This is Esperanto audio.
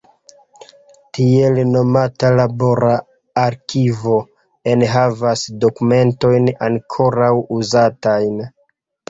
Tiel nomata "labora arkivo" enhavas dokumentojn ankoraŭ uzatajn.